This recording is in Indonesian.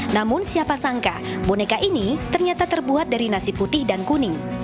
namun siapa sangka boneka ini ternyata terbuat dari nasi putih dan kuning